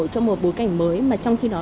trong một bối cảnh mới mà trong khi đó